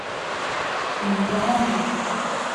Les grandes.